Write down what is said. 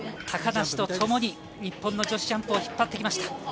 高梨とともに日本の女子ジャンプを引っ張ってきました。